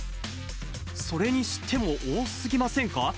それにしても多すぎませんか？